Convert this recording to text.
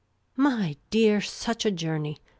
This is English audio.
" My dear, such a journey